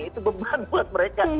itu beban buat mereka